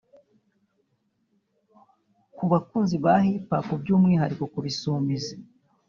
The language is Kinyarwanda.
Ku bakunzi ba Hiphop by’umwihariko ku bisumizi